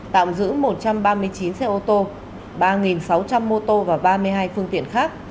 tạm giữ một trăm ba mươi chín xe ô tô ba sáu trăm linh mô tô và ba mươi hai phương tiện khác